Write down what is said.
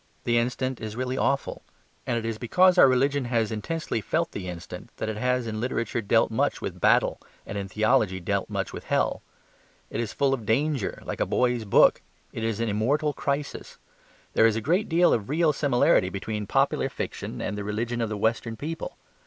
The instant is really awful: and it is because our religion has intensely felt the instant, that it has in literature dealt much with battle and in theology dealt much with hell. It is full of DANGER, like a boy's book: it is at an immortal crisis. There is a great deal of real similarity between popular fiction and the religion of the western people.